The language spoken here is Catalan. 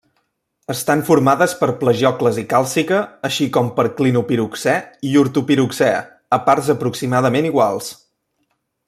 Estan formades per plagiòclasi càlcica així com per clinopiroxè i ortopiroxè a parts aproximadament iguals.